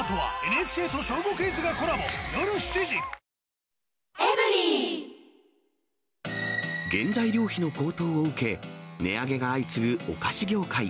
最高の渇きにＤＲＹ原材料費の高騰を受け、値上げが相次ぐお菓子業界。